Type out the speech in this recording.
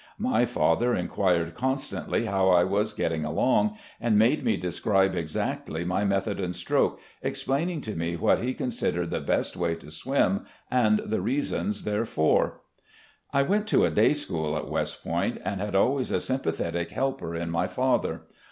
My father inquired constantly how I was getting along, and made me describe exactly my method and stroke, explaining to me what he considered the best way to swim, and the reasons therefor. I went to a day school at West Point, and had always a sympathetic helper in my father.